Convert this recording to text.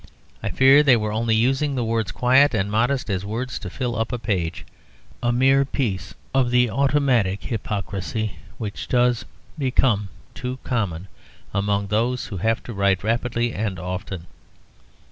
I fear they were only using the words "quiet" and "modest" as words to fill up a page a mere piece of the automatic hypocrisy which does become too common among those who have to write rapidly and often.